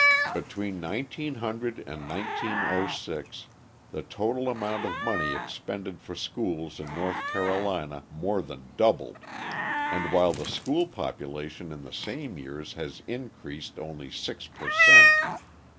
Between 1900 and 1906 the total amount of money expended for schools in North Carolina more than doubled, and while the school population in the same years had increased only 6 per cent.